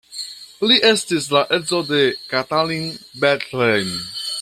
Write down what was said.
Li estis la edzo de Katalin Bethlen.